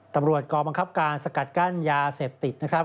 กรบังคับการสกัดกั้นยาเสพติดนะครับ